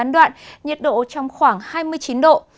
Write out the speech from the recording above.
đoạn nhiệt độ trong khoảng hai mươi chín độ